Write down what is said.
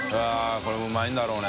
これうまいんだろうね。